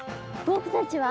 僕たちは？